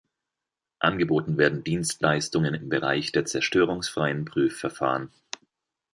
Angeboten werden Dienstleistungen im Bereich der zerstörungsfreien Prüfverfahren.